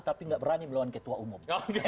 tapi nggak berani melawan ketua umum